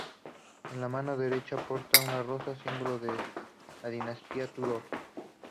En la mano derecha porta una rosa, símbolo de la dinastía Tudor.